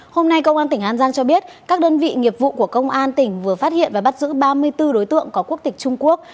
hôm nay công an tỉnh an giang cho biết các đơn vị nghiệp vụ của công an tỉnh vừa phát hiện và bắt giữ ba mươi bốn đối tượng có quốc tịch trung quốc